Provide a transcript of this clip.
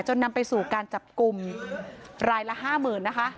นำไปสู่การจับกลุ่มรายละห้าหมื่นนะคะ